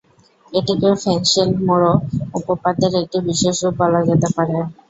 এটিকে ফেনশেল-মোরো উপপাদ্যের একটি বিশেষ রূপ বলা যেতে পারে।